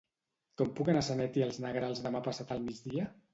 Com puc anar a Sanet i els Negrals demà passat al migdia?